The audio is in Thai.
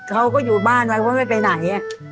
เขาก็อยู่บ้านแล้วก็ไม่ไปไหน